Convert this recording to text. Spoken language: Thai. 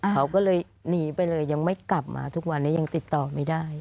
เขาก็เลยหนีไปเลยยังไม่กลับมาทุกวันนี้ยังติดต่อไม่ได้